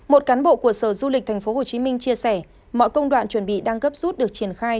một cán bộ của sở du lịch tp hcm chia sẻ mọi công đoạn chuẩn bị đang gấp rút được triển khai